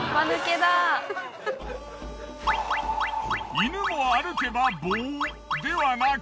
犬も歩けば棒ではなく。